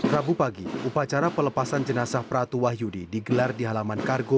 rabu pagi upacara pelepasan jenazah pratu wahyudi digelar di halaman kargo